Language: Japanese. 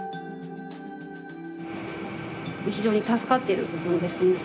非常に助かっているところですね。